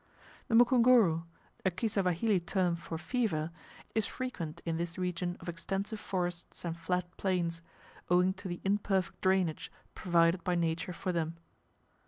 The mukunguru, a Kisawahili term for fever, is frequent in this region of extensive forests and flat plains, owing to the imperfect drainage provided by nature for them.